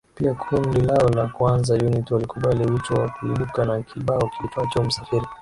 Pia kundi lao la Kwanza Unit walikubali mwito na kuibuka na kibao kiitwacho Msafiri